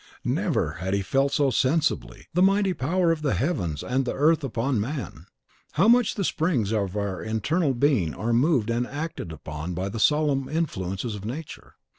Never had he felt so sensibly the mighty power of the heavens and the earth upon man; how much the springs of our intellectual being are moved and acted upon by the solemn influences of Nature.